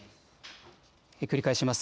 繰り返します。